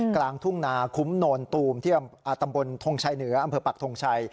กลางทุ่งนาคุ้มโนนตูมที่ตำบลทงชัยเหนืออำเภอปักทงชัย